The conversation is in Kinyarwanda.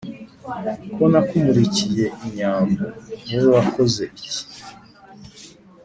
Ko nakumurikiye inyambo, wowe wakoze iki